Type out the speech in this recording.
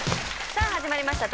さあ始まりました